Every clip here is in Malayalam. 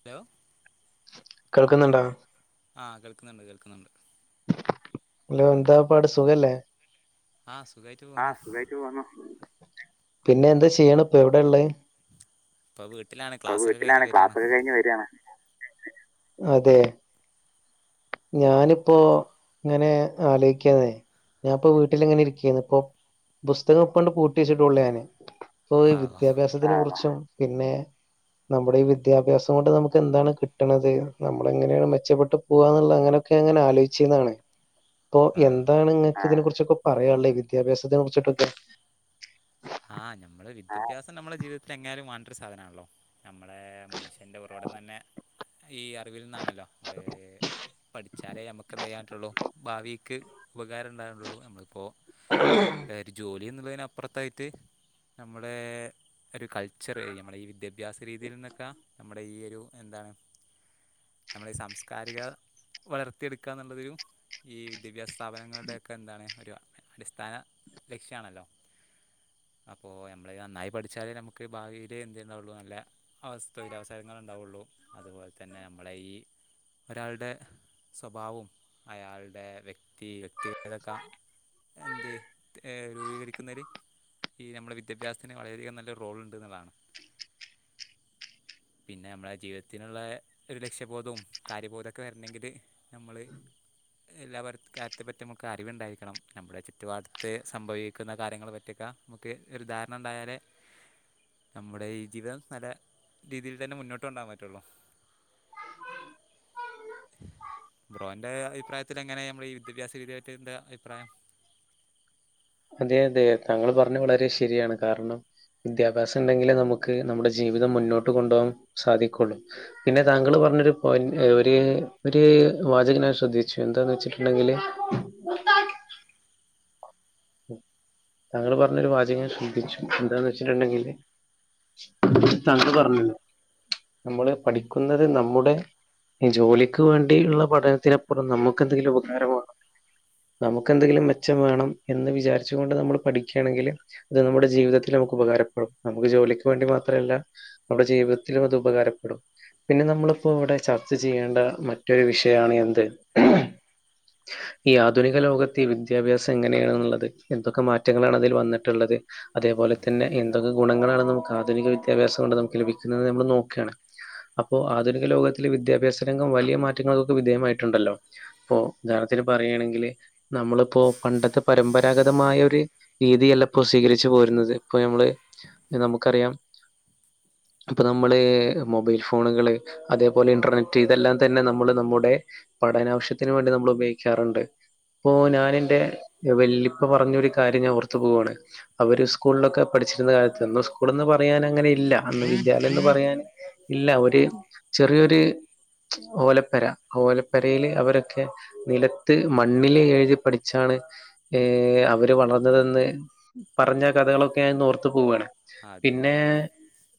ഹലോ കേൾക്കുന്നുണ്ടാ ആ കേൾക്കുന്നുണ്ട് കേൾക്കുന്നുണ്ട് ഹലോ എന്താ പാട് സുഖല്ലേ ആ സുഖമായിട്ട് ആ പോകുന്നു സുഖായിട്ട് പോവുന്നു. പിന്നെ എന്താ ചെയ്യണ ഇപ്പ എവിടെ ഉള്ളത് ഇപ്പൊ വീട്ടിലാണ് ക്ലാസ്സൊക്കെ കഴിഞ്ഞ് വീട്ടിലാണ് വരാണ് ക്ലാസ്സൊക്കെ കഴിഞ്ഞ് വരാണ് അതെ ഞാനിപ്പോ ങ്ങനെ ആലോ ഞാൻപ്പോ വീട്ടില് ങ്ങനെ ഇരിക്കന്ന് പ്പൊ പുസ്തകപ്പണ്ട് പൂട്ടി ച്ചിട്ടൊള്ളു ഞാന്. ഇപ്പൊ ആ ഈ വിദ്യാഭ്യാസത്തിനെ കുറിച്ചും പിന്നെ നമ്മുടെ ഈ വിദ്യാഭ്യാസം കൊണ്ട് നമുക്ക് എന്താണ് കിട്ടണത് നമ്മള എങ്ങനെയാണ് മെച്ചപ്പെട്ട് പോകന്നുള്ള അങ്ങനെ ഒക്കെ അങ്ങനെ ആലോചിച്ചന്നാണ് അപ്പൊ ആ എന്താണ് ഇങ്ങക്ക് ഇതിനെ കുറിച്ചൊക്കെ പറയാനുള്ളേ വിദ്യാഭ്യാസത്തിനെ കുറിച്ചിട്ടൊക്കെ ആഹ് നമ്മള് ആ വിദ്യഭ്യാസം നമ്മള ജീവിതത്തിൽ എങ്ങാലും വേണ്ട ഒരു സാധനമാണല്ലോ നമ്മള മനുഷ്യൻ്റെ ഉറവിടം തന്നെ ഈ അറിവിൽ നിന്നാണല്ലോ നമ്മള് പഠിച്ചാലേ നമുക്ക് എന്തയ്യാൻറ്റുള്ളു ഭാവീക്ക് ഉപകാരണ്ടാനുള്ളൂ നമ്മളിപ്പോ എര് ജോലിന്നുള്ളതിനപ്പറത്തായിട്ട് നമ്മുടെ ഒരു കൾച്ചർ എ നമ്മളെ ഈ വിദ്യാഭ്യാസ രീതിയിൽ ന്നൊക്കെ നമ്മുടെ ഈ ഒരു എന്താണ് നമ്മളെ ഈ സാംസ്കാരിക വളർത്തിയെടുക്ക ന്നുള്ളതൊരു ഈ വിദ്യാഭ്യാസ സ്ഥാപനങ്ങളുടെക്കെ എന്താണ് ഒരു അടിസ്ഥാന ലക്ഷ്യണല്ലോ അപ്പോ യമ്മള് നന്നായി പഠിച്ചാല് നമുക്ക് ഭാവിയില് എന്ത് ന്നുള്ളു നല്ല അവസ്ഥ വരാ അവസരങ്ങള് ണ്ടാ ഉള്ളൂ അതുപോൽ തന്നെ നമ്മളെ ഈ ഒരാളുടെ സ്വഭാവവും അയാളുടെ വ്യക്തി വ്യക്തിഗതൊക്കെ എന്ത് എ രൂപീകരിക്കുന്നര് ഈ നമ്മുടെ വിദ്യാഭ്യാസത്തിന് വളരെയധികം നല്ല റോളുണ്ട് ന്ന്ള്ളാണ് പിന്നെ അമ്മളെ ജീവിതത്തിനുള്ളേ ഒരു ലക്ഷ്യബോധവും കാര്യബോധക്കെ വര്ണെങ്കില് നമ്മള് എല്ലാവര്ത് കാര്യത്തെ പറ്റി നമുക്ക് അറിവുണ്ടായിരിക്കണം. നമ്മുടെ ചുറ്റുപാടത്ത് സംഭവിക്കുന്ന കാര്യങ്ങളെ പറ്റിയൊക്കെ നമുക്ക് ഒരു ധാരണണ്ടായാലേ നമ്മുടെ ഈ ജീവിതം നല്ല രീതിയിൽ തന്നെ മുന്നോട്ട് കൊണ്ടാ പറ്റുള്ളു ബ്രോന്റെ അഇപ്രായത്തില് എങ്ങനെയാ നമ്മൾ ഈ വിദ്യാഭ്യാസ രീതിയായിട്ട് എന്താ അഭിപ്രായം? അതെ അതെ താങ്കൾ പറഞ്ഞ വളരെ ശരിയാണ് കാരണം വിദ്യാഭ്യാസ ണ്ടെങ്കിലെ നമുക്ക് നമ്മുടെ ജീവിതം മുന്നോട്ട് കൊണ്ടോആൻ സാധിക്കുള്ളൂ. പിന്നെ താങ്കൾ പ റഞ്ഞൊരു പോയിന്റ് ഒര് ഒര് വാചകം ഞാൻ ശ്രദ്ധിച്ചു എന്താന്ന് വെച്ചിട്ടുണ്ടെങ്കില് [inaudible] താങ്കൾ പറഞ്ഞൊരു വാചകം ഞാൻ ശ്രദ്ധിച്ചു എന്താന്ന് വെച്ചിട്ടുണ്ടെങ്കില് തങ്കൾ പറഞ്ഞില്ലോ നമ്മള് പഠിക്കുന്നത് നമ്മുടെ ജോലിക്ക് വേണ്ടിയുള്ള പഠനത്തിനപ്പുറം നമുക്ക് എന്തെങ്കിലും ഉപകാരമാണോ നമുക്ക് എന്തെങ്കിലും മെച്ചം വേണം എന്ന് വിചാരിച്ചു കൊണ്ട് നമ്മൾ പഠിക്കുകയാണെങ്കില് അത് നമ്മുടെ ജീവിതത്തിൽ നമുക്ക് ഉപകാരപ്പെടും നമുക്ക് ജോലിക്ക് വേണ്ടി മാ മാത്രല്ല നമ്മടെ ജീവിതത്തിലും അത് ഉപകാരപ്പെടും പിന്നെ നമ്മളിപ്പോ ഇവിടെ ചർച്ച ചെയ്യേണ്ട മറ്റൊരു വിഷയാണ് എന്ത് ഈ ആധുനിക ലോകത്തെ ഈ വിദ്യാഭ്യാസം എങ്ങനെയാണ് എന്തൊക്കെ മാറ്റങ്ങളാണ് അതിൽ വന്നിട്ടുള്ളത് അതേപോലെ അതെ തന്നെ അതെ എന്തൊക്കെ ഗുണങ്ങളാണ് നമുക്ക് ആധുനിക വി ദ്യാഭ്യാസം കൊണ്ട് നമുക്ക് ലഭിക്കുന്നത് നമ്മൾ നോക്കാണ് അപ്പോ ആധുനിക ലോകത്തില് വിദ്യാഭ്യാസരംഗം വലിയ മാറ്റങ്ങൾക്കൊക്കെ വിധേയമായിട്ടുണ്ടല്ലോ ഇപ്പോ പറയുകയാണെങ്കിൽ നമ്മളിപ്പോ പണ്ടത്തെ പരമ്പരാഗതമായ ഒരു രീതിയല്ല ഇപ്പോ സ്വീകരിച്ചു പോരുന്നത് ഇപ്പൊ നമ്മള് നമുക്കറിയാം [inaudible] ഇപ്പൊ നമ്മള് മൊബൈൽ ഫോണുകള് അതേപോലെ ഇന്റർനെറ്റ് ഇതെല്ലാം തന്നെ നമ്മള് നമ്മുടെ പഠനാവശ്യത്തിന് വേണ്ടി നമ്മൾ ഉപയോഗിക്കാറുണ്ട്. ഇപ്പോ ഞാനെന്റെ വല്ലിപ്പ പറഞ്ഞൊരു കാര്യം ഞാൻ ഓർത്തു പോവാണ്. അവര് സ്കൂളിലൊക്കെ പഠിച്ചിരുന്ന കാലത്ത് അന്ന് സ്കൂളന്ന് പറഞ്ഞ പറയൻ അങ്ങനെ ഇല്ല അന്ന് വിദ്യാലയംന്ന് പറയാൻ ഇല്ല ഒരു ചെറിയൊരു ഓലപ്പെര ഓലപ്പെരയില് അവരൊക്കെ നിലത്ത് മണ്ണില് എഴുതി പഠിച്ചാണ് ഏ അവര് വളർന്നതെന്ന് പറഞ്ഞ കഥകളൊക്കെ ഞാൻന്ന് ഓർത്ത് പോവാണ് അതെ പിന്നെ അതെ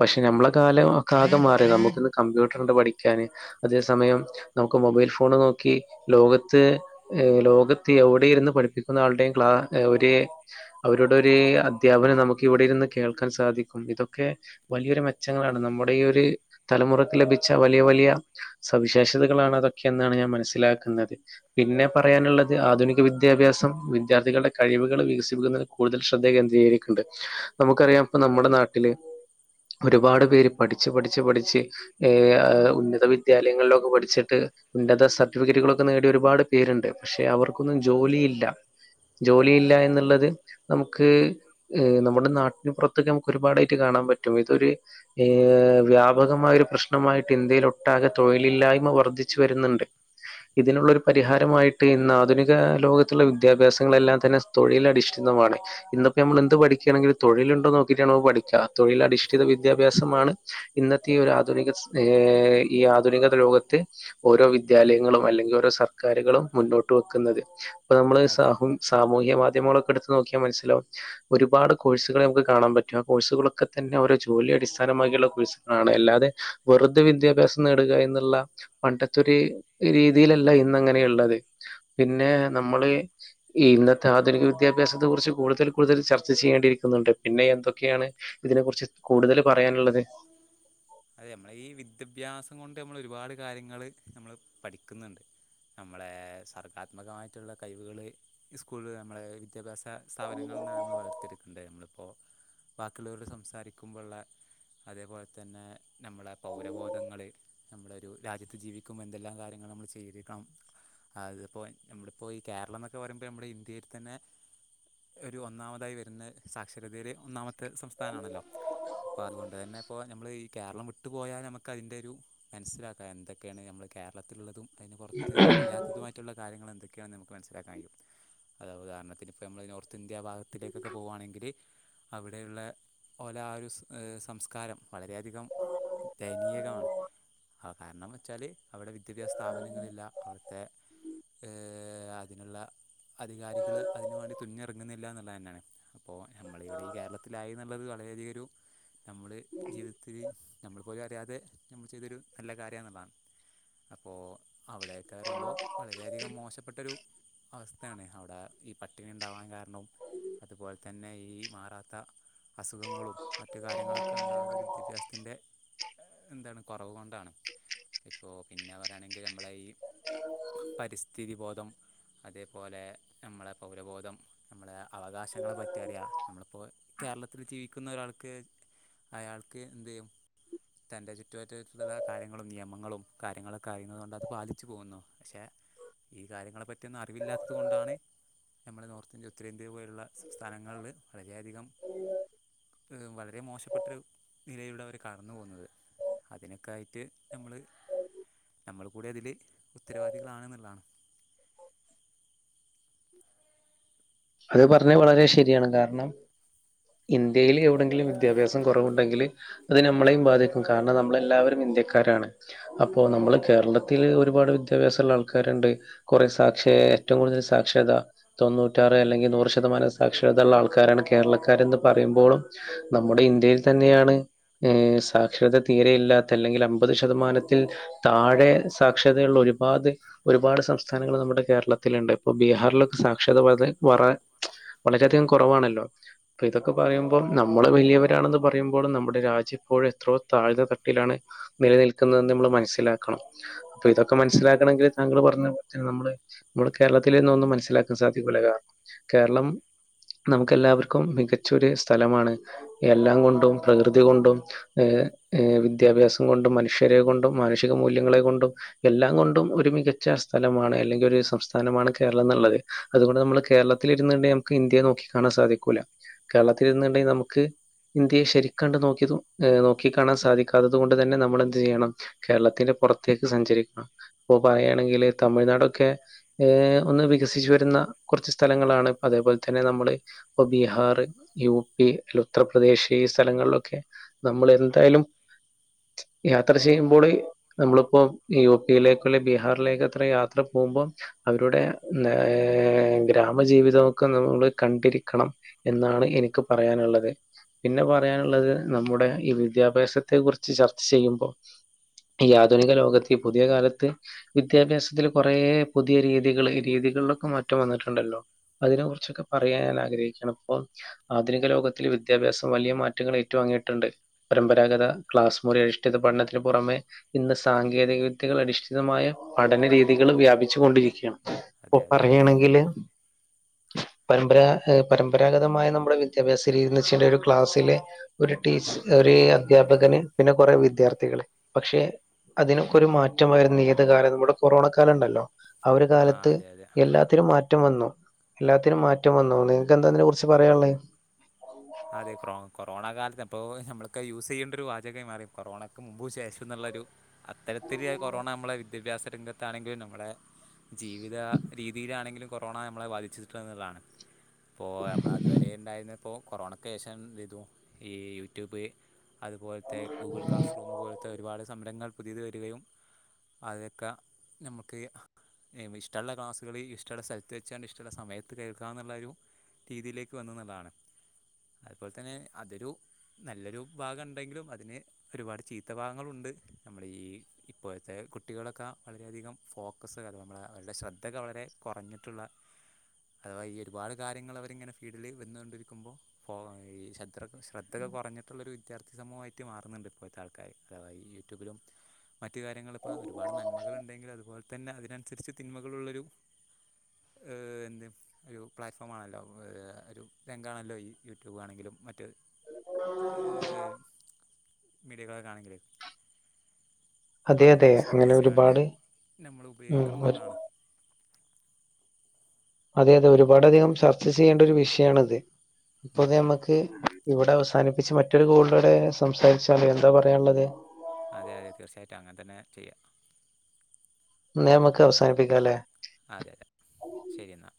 പക്ഷെ നമ്മളെ കാലം ആകെ മാറി നമുക്കിന്ന് കമ്പ്യൂട്ടർണ്ട് പഠിക്കാന് അതേ സമയം നമുക്ക് മൊബൈ ഫോൺ നോക്കി ലോകത്ത് ലോകത്ത് എവിടെ ഇരുന്ന് പഠിപ്പിക്ക ന്ന ആളുടെയും ക്ലാ ഒര് അവരുടെ ഒരു അധ്യാപനം നമുക്ക് ഇവിടെരുന്ന് കേൾക്കാൻ സാധിക്കും ഇതൊക്കെ വലിയൊരു മെച്ചങ്ങളാണ് നമ്മുടെ ഈ ഒരു തലമുറക്ക് ലഭിച്ച വലിയ വലിയ സവി ശേഷതകളാണ് അതൊക്കെഎന്നാണ് ഞാൻ മനസ്സിലാക്കുന്നത്. പിന്നെ അതെ പറയാനുള്ളത് ആധുനിക വിദ്യാഭ്യാസം വിദ്യാർത്ഥികളുടെ കഴിവുകൾ വികസിപ്പിക്കുന്നതിന് കൂടുതൽ ശ്രദ്ധ കേന്ദ്രീകരിക്കുണ്ട്. നമുക്കറിയാം ഇപ്പ നമ്മുടെ നാട്ടിൽ [inaudible] ഒരുപാട് പേര് പഠിച്ചു പഠിച്ച് പഠിച്ച് ഏ്. ഉന്നത വിദ്യാലയങ്ങളിലൊക്കെ പഠിച്ചിട്ട് ഉന്നത സർട്ടിഫിക്കറ്റുകളൊക്കെ നേടിയ ഒരുപാട് പേരുണ്ട്. പക്ഷെ അവർക്കൊന്നും ജോലിയില്ല ജോലിയില്ല എന്നുള്ളത് നമുക്ക് ഏ നമ്മുടെ നാട്ടിൻ പുറത്തൊക്ക നമുക്ക് ഒരുപാടായിട്ട് കാണാൻ പറ്റും ഇതൊരു വ്യാപകമായ ഒരു പ്രശ്നമായിട്ട് ഇന്ത്യയിൽ ഒട്ടാകെ തൊഴിലില്ലാ യ്മ വർധിച്ചു വരുന്നുണ്ട് ഇതിനുള്ള ഒരു പരിഹാരമായിട്ട് ഇന്ന് ആധുനിക ലോകത്തുള്ള വി ദ്യാഭ്യാസങ്ങളല്ലാം തന്നെ തൊഴിലധിഷ്ഠിതമാണ്. ഇന്ന് നമ്മൾ എന്ത് പഠിക്കുകണെങ്കിലും തൊഴിലുണ്ടോ നോക്കിട്ടാണ് പഠി ക്ക തൊഴിലധിഷ്ഠിത വിദ്യാഭ്യാസമാണ് ഇന്നത്തെ ഈ ഒരാധുനിക ഏ ഈ ആധുനിക ലോകത്ത് ഓരോ വിദ്യാലയങ്ങളും അല്ലെങ്കിൽ ഓരോ സർക്കാരുകളും മുന്നോട്ട് വെക്കുന്നത് അതെ [inaudible] സാമൂഹ്യ മാധ്യമങ്ങളൊക്കെ എടുത്ത് നോക്കിയാ മനസിലാവും. ഒരുപാട് കോഴ്സുകൾ നമുക്ക് കാണാൻ പറ്റും ആ കോഴ്സുകളൊക്കെ തന്നെ ജോലി അടിസ്ഥാനമാക്കിയുള്ള കോഴ്സുകളാണ് അല്ലാതെ വെറുതെ വിദ്യാഭ്യാസം നേടുക എന്നുള്ള പണ്ടത്തൊരു രീതിയിലല്ല ഇന്നങ്ങനെയള്ളത്. പിന്നെ നമ്മള് ഈ ഇന്നത്തെ ആധുനിക വിദ്യാഭ്യാസത്തെ കുറിച്ച് കൂടുതൽ കൂടുതൽ ചർച്ച ചെയ്യേണ്ടിയിരിക്കുന്നുണ്ട്? പിന്നെ എന്തൊക്കെയാണ് ഇതിനെ കുറിച്ച് കൂടുതൽ പറയാനുള്ളത് അതെ നമ്മടെ ഈ വിദ്യാഭ്യാസം കൊണ്ട് നമ്മൾ ഒരുപാട് കാര്യങ്ങള് നമ്മള് പഠിക്കുന്നുണ്ട്. നമ്മളെ സർഗാത്മകമായിട്ടുള്ള കഴിവുകള് സ്കൂള് നമ്മളെ വിദ്യാഭ്യാസ സ്ഥാപനങ്ങളിൽനിന്നാണ് നമ്മൾ വളർത്തിയെടുക്കേണ്ടേ നമ്മൾ. അപ്പോൾ ബാക്കിയുള്ളവരോട് സംസാരിക്കുമ്പോഴുള്ള അതേപോലെ തന്നെ നമ്മളെ പൗരബോധങ്ങള് നമ്മുടെ ഒരു രാജ്യത്ത് ജീവിക്കുമ്പോൾ എന്തെല്ലാം കാര്യങ്ങൾ നമ്മൾ ചെയ്തിരിക്കണം അത് ഇപ്പോ നമ്മളിപ്പോ ഈ കേരളം എന്നൊക്കെ പറയുമ്പോൾ നമ്മുടെ ഇന്ത്യയിൽ തന്നെ ഒരു ഒന്നാമതായി വരുന്ന സാക്ഷരതയിലെ ഒന്നാമത്തെ മത്തെ സംസ്ഥാനമാണല്ല? അപ്പോൾ അതുകൊണ്ട് തന്നെ ഇപ്പോൾ നമ്മൾ ഈ കേരളം വിട്ടുപോയാൽ നമുക്കതിന്റെ ഒരു മനസ്സിലാക്കാം. എന്തൊക്കെയാണ് നമ്മൾ കേര വെള്ളത്തിലുള്ളതും അതിന് പുറത്ത് ഇല്ലാത്തതുമായിട്ടുള്ള കാര്യങ്ങൾ എന്തൊക്കെയാണെന്ന് നമുക്ക് മനസ്സിലാക്കാൻ കഴിയും. അത് ഉദാഹരണത്തിന് ഇപ്പോൾ നമ്മൾ നോർത്ത് ഇന്ത്യ ഭാഗത്തിലേക്കൊക്കെ പോവുകയാണെങ്കില് അവിടെയുള്ള പോലെ ആ ഒരു സംസ്കാരം വളരെയധിക ദയനീയകമാണ് ആ കാരണം എന്ന് വെച്ചാല് വിദ്യാഭ്യാസ സ്ഥാപനങ്ങളില്ല അവിടുത്തെ ഏ അതിനുള്ള അധികാരികൾ അതിന് വേണ്ടി തുനിഞ്ഞിറങ്ങുന്നില്ല എ തന്നാണ്. അപ്പോൾ നമ്മൾ ഇവിടെ ഈ കേരളത്തിലായി എന്നുള്ളത് വളരെയധികം ഒരു നമ്മൾ ജീവിതത്തി നമ്മൾ പോലും അറിയാതെ നമ്മൾ ചെയ്തൊരു നല്ല കാര്യമാണെന്നുള്ളതാണ്. അപ്പോൾ അവിടെയൊക്കെ അറിയുമ്പോൾ വളരെയധികം മോശപ്പെട്ടൊരു അവസ്ഥയാണ്. അവിടെ പട്ടിണി ഉണ്ടാവാൻ കാരണവും അതുപോലെ തന്നെ ഈ മാറാത്ത അസുഖങ്ങളും മറ്റു കാര്യങ്ങളൊക്കെ ഉണ്ടാകുന്ന വിദ്യാഭ്യാസത്തിൻ്റെ എന്താണ് കുറവ് കൊണ്ടാണ് ഇപ്പോൾ പിന്നെ പറയുകയാണെങ്കിൽ നമ്മളെ ഈ പരിസ്ഥിതി ബോധം അതേപോലെ നമ്മളെ പൗരബോധം നമ്മളെ അവകാശങ്ങളെ പറ്റി അറിയാം. നമ്മളിപ്പോൾ കേരളത്തിൽ ജീവിക്കുന്ന ഒരാൾക്ക് അയാൾ ക്ക് എന്ത് ചെയ്യും? തന്റെ ചുറ്റുപറ്റുള്ള കാര്യങ്ങളും നിയമങ്ങളും കാര്യങ്ങളൊക്കെ അറിയുന്നുന്നത് കൊണ്ട് അത് പാലിച്ചു പോകുന്നു. പക്ഷേ? ഈ കാര്യങ്ങളെപ്പറ്റിയൊന്നും അറിവില്ലാത്തത് കൊണ്ടാണ് നമ്മൾ നോർത്ത് ഇന്ത്യ ഉത്തരേന്ത്യ ഇതേപോലുള്ള സംസ്ഥാനങ്ങളിൽ വളരെയധികം വളരെ മോശപ്പെട്ടരു യിലൂടെ അവർ കടന്നു പോകുന്നത്. അതിനൊക്കെയായിട്ട് നമ്മള് നമ്മൾ കൂടെ അതിൽ ഉത്തരവാദികളാണ് എന്നുള്ളതാണ്. അത് പറഞ്ഞത് വളരെ ശരിയാണ്. കാരണം? ഇന്ത്യയിൽ എവിടെയെങ്കിലും വിദ്യാഭ്യാസം കുറവുണ്ടെങ്കിൽ അത് നമ്മളെയും ബാധിക്കും. കാരണം നമ്മളെല്ലാവരും ഇന്ത്യക്കാരാണ്. അപ്പോ നമ്മള് കേരളത്തില് ഒരുപാട് വിദ്യാഭ്യാസം ഉള്ള ആൾക്കാരുണ്ട് കുറെേ സാക്ഷര ഏറ്റവും കൂടുതൽ സാക്ഷരത തൊണ്ണൂറ്റാറ് അല്ലെങ്കിൽ നൂറ് ശതമാനം സാക്ഷരതയുള്ള ആൾക്കാരാണ് കേരളക്കാരെന്ന് പറയുമ്പോളും നമ്മുടെ ഇന്ത്യയിൽ തന്നെയാണ് ഏ സാക്ഷരത തീരെയില്ലാത്ത അല്ലെങ്കിൽ അമ്പത് ശതമാനത്തിൽ താഴെ സാക്ഷരതയുള്ള [unintelligible] ഒരുപാട് സംസ്ഥ സംസ്ഥാനങ്ങൾ നമ്മുടെ കേരളത്തിലുണ്ട്. ഇപ്പൊ ബീഹാറിലൊക്കെ സാക്ഷരത വളരെ വറെ വളരെ അധികം കുറവാണല്ലോ? ഇപ്പ ഇതൊക്കെ പറയുമ്പോൾ നമ്മള് വലിയവരാണെന്ന് പറയുമ്പോളും നമ്മുടെ രാജ്യം ഇപ്പോഴും എത്രയോ താഴ്ന്ന തട്ടിലാണ്. നിലനിൽക്കുന്നതെന്ന് നമ്മൾ മനസ്സിലാക്കണം. അപ്പൊ ഇതൊക്കെ മനസ്സിലാക്കണെങ്കിൽ താങ്കൾ പറഞ്ഞ നമ്മള് നമ്മുടെ കേരളത്തിൽ നിന്നു ഒന്നും മനസ്സിലാക്കാൻ സാധിക്കൂല. കാരണം കേരളം നമുക്ക് എല്ലാവർക്കും മികച്ചൊരു സ്ഥലമാണ്. എല്ലാം കൊണ്ടും പ്രകൃതി കൊണ്ടും ഏ വിദ്യാഭ്യാസം കൊണ്ടും, മനുഷ്യരെ കൊണ്ടു, മാനുഷിക മൂല്യങ്ങളെ കൊണ്ടും എല്ലാം കൊണ്ടും ഒരു മികച്ച സ്ഥലമാണ്. അല്ലെങ്കിൽ ഒരു സംസ്ഥാനമാണ് കേരളം എന്നുള്ളത്. അതുകൊണ്ട് നമ്മള് കേരളത്തിൽ ഇരുന്നു കൊണ്ട് നമുക്ക് ഇന്ത്യയെ നോക്കികാണാ സാധിക്കൂല. കേരളത്തിൽ ഇരുന്നുണ്ടെങ്കിൽ നമുക്ക് ഇന്ത്യയെ ശരിക്കങ്ങട് നോക്കി നോക്കി കാണാൻ സാധിക്കാത്തത് കൊണ്ട് തന്നെ നമ്മളെന്ത് ചെയ്യണം കേരളത്തിന്റെ പുറത്തേക്ക് സഞ്ചരിക്കണം. ഇപ്പൊ പറയുകയാണെങ്കില് തമിഴ്നാടൊക്കെ ഏഹ് ഒന്ന് വികസിച്ചു വരുന്നു കുറച്ച് സ്ഥലങ്ങളാണ്. അതേപോലെ തന്നെ നമ്മള് ഇപ്പൊ ബീഹാർ, യു പി, ഉത്തർപ്രദേശ് ഈ സ്ഥലങ്ങളിലൊക്കെ നമ്മൾ എന്തായാലും യാത്ര ചെയ്യുമ്പോള് നമ്മളിപ്പോ യു പിയിലേക്ക് അല്ലെ ബീഹാറിലേക്ക് അത്ര യാത്ര പോകുമ്പോൾ അവരുടെ ഏഹ് ഗ്രാമജീവിതമൊക്കെ നമ്മൾ കണ്ടി പഠിക്കണം എന്നാണ് എനിക്ക് പറയാനുള്ളത്. പിന്നെ അതെ പറയാനുള്ളത് നമ്മുടെ ഈ വിദ്യാഭ്യാസത്തെ കുറിച്ച് ചർച്ച ചെയ്യുമ്പോ ഈ ആധുനിക ലോകത്ത് ഈ പുതിയ കാലത്ത് വി വിദ്യാഭ്യാസത്തിൽ കുറെ പുതിയ രീതികൾ രീതികളിലൊക്കെ മാറ്റം വന്നിട്ടുണ്ടല്ലോ. അതിനെ കുറിച്ചൊക്കെ പറയ യാൻ ആഗ്രഹിക്കാണ്. ഇപ്പോ ആധുനിക ലോകത്തിൽ വിദ്യാഭ്യാസം വലിയ മാറ്റങ്ങൾ ഏറ്റുവാങ്ങിയിട്ടുണ്ട് പരമ്പരാഗത ക്ലാസ് മൊഴി അധിഷ്ഠിത പഠനത്തിന് പുറമെ ഇന്ന് സാങ്കേതിക വിദ്യകൾ അധിഷ്ഠിതമായ പഠനരീതികള് വ്യാപിച്ചു കൊണ്ടിരിക്കയാണ് ഇപ്പൊ അതെ അതെ പറയുകയാണെങ്കില് [inaudible] പരമ്പ പരമ്പരാഗതമായ നമ്മുടെ വിദ്യാഭ്യാസ രീതി എന്ന് വെച്ചിട്ടുണ്ടേൽ ഒരു ക്ലാസിലെ ഒരു ടീച്ച ഒരു അദ്ധ്യാപകന് പിന്നെ കൊറെ വിദ്യാർത്ഥികള് പക്ഷെ അതിനൊക്കെ ഒരു മാറ്റം വരുന്നീ അ കാലം നമ്മുടെ കൊറോണ കാലം ഉണ്ടല്ലോ ആഹ് ഒരു ആ കാലത്ത് അതെ അതെ എല്ലാത്തിനും മാറ്റം വന്നു എല്ലാത്തിനും മാറ്റം വന്നു നിങ്ങക്ക് എന്താതിനെ കുറിച്ച് പറയാനുള്ളേ അതെ കൊറോ കൊറോണ കാലത്ത് അപ്പോൾ നമ്മൾക്ക് യൂസ് ചെയ്യേണ്ട ഒരു വാചകമായി മാറി കൊറോണയ്ക്ക് മുൻപും ശേഷവും എന്നുള്ളൊരു അത്ത ത്തിരി കൊറോണ നമ്മളെ വിദ്യാഭ്യാസ രംഗത്താണെങ്കിലും നമ്മളെ ജീവിത രീതിയിലാണെങ്കിലും കൊറോണ നമ്മളെ ബാധിച്ചിട്ടുണ്ട് എന്നുള്ളതാണ് ഇപ്പോൾ നമ്മളതുവരെ ഉണ്ടായിരുന്നപ്പോൾ കൊറോണയ്ക്ക് ശേഷം എന്ത് ചെയ്തു ഈ യൂട്യൂബ് അതുപോലത്തെ ഗൂഗിൾ ക്ലാസ് റൂം പോലത്തെ ഒരുപാട് സംരങ്ങൾ പുതിയത് വരികയും അതൊക്കെ നമ്മുക്ക് ഇഷ്ടമുള്ള ക്ലാസ്സുകുകളി ഇഷ്ടമുള്ള സ്ഥലത്ത് വെച്ചുകണ്ട് ഇഷ്ടമുള്ള സമയത്ത് കേൾക്കുക എന്നുള്ളരു രീതിയിലേക്ക് വന്ന് എന്നുള്ളതാണ് അതുപോലെ തന്നെ അതൊരു നല്ലൊരു ഭാഗം ഉണ്ടെങ്കിലും അതിന് ഒരുപാട് ചീത്ത ഭാഗങ്ങളും ഉ ണ്ട് നമ്മള് ഈ ഇപ്പോഴത്തെ കുട്ടികളൊക്കെ വളരെയധികം ഫോക്കസ് നമ്മ അവരുടെ ശ്രദ്ധ വളരെ കുറഞ്ഞിട്ടുള്ള അഥവാ ഈ ഒരുപാട് കാര്യങ്ങൾ അവരിങ്ങനെ ഫീൽഡിൽ വന്നുകൊണ്ടിരിക്കുമ്പോൾ ഫോ ഈ ശദ് ശ്രദ്ധെ കുറഞ്ഞിട്ടുള്ളൊരു വിദ്യാർത്ഥി സമൂഹമായിട്ട് മാറുന്നുണ്ട് ഇപ്പോഴത്തെ ആൾക്കാർ അതത് യൂട്യൂബിലും മറ്റു കാര്യങ്ങളിപ്പോൾ ഒരുപാട് നന്മകളുണ്ടെങ്കിലും അതുപോലെ തന്നെ അതിനനുസരിച്ച് തിന്മകളുള്ളൊരു എന്ത് ഒരു പ്ലാറ്റ്ഫോം ആണല്ലോ ഒരു രംഗാണല്ലോ ഈ യൂട്യൂബാണെങ്കിലും മറ്റ് [unintelligible] ആണെങ്കിലും അപ്പം അതെ അതും അതെ കൂടി അങ്ങനെ ശ്രദ്ധിച്ചുകാണ്ട് ഒരുപാട് നമ്മൾ ഉം ഉപയോഗിക്കണം ഒരു- എന്നുള്ളതാണ് അതെ അതെ ഒരുപാട് അധികം ചർച്ച ചെയ്യേണ്ട ഒരു വിഷയണത് ഇപ്പൊ നമ്മക്ക് ഇവിടെ അവസാനിപ്പിച്ച് മറ്റൊരു കോളിലോടെ സംസാരിച്ചാലോ എന്താ പറയാനുള്ളത് അതെ അതെ തീർച്ചയായിട്ടും അങ്ങനെ തന്നെ ചെയ്യാം എന്നാ നമുക്ക് അവസാനിപ്പിക്കാം അല്ലേ അതെ അതെ ശരി എന്നാ